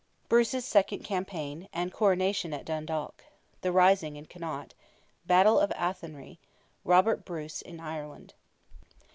BRUCE'S SECOND CAMPAIGN, AND CORONATION AT DUNDALK—THE RISING IN CONNAUGHT—BATTLE OF ATHENRY—ROBERT BRUCE IN IRELAND.